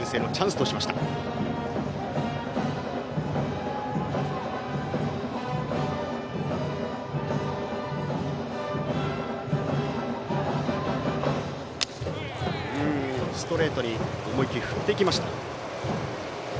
ストレートに思いっきり振ってきました。